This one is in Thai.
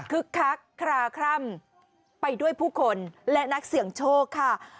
คักคลาคร่ำไปด้วยผู้คนและนักเสี่ยงโชคค่ะ